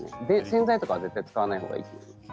洗剤とかは絶対使わないほうがいいです。